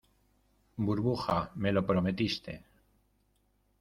burbuja, me lo prometiste.